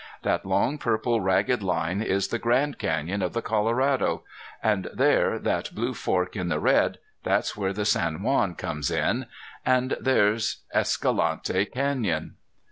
That long purple ragged line is the Grand Canyon of the Colorado. And there, that blue fork in the red, that's where the San Juan comes in. And there's Escalante Canyon."